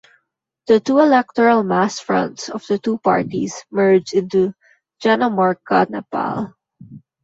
The two electoral mass fronts of the two parties merged into Janamorcha Nepal.